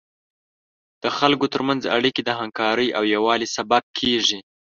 د خلکو تر منځ اړیکې د همکارۍ او یووالي سبب کیږي.